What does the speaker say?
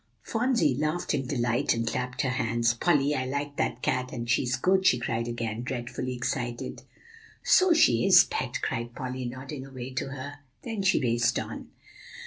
Phronsie laughed in delight, and clapped her hands. "Polly, I like that cat, and she's good," she cried again, dreadfully excited. "So she is, Pet," cried Polly, nodding away to her. Then she raced on.